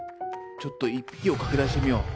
ちょっと１匹を拡大してみよう。